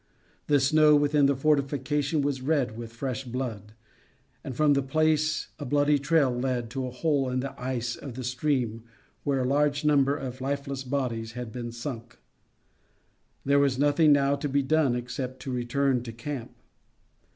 The snow within the fortification was red with fresh blood, and from the place a bloody trail led to a hole in the ice of the stream where a large number of lifeless bodies had been sunk. There was nothing now to be done except to return to camp.